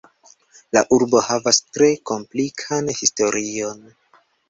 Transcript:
La urbo havas tre komplikan historion.